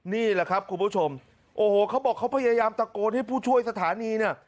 นี่แหละครับคุณผู้ชมโอ้โหเขาบอกเขาพยายามตะโกนให้ผู้ช่วยสถานีเนี่ย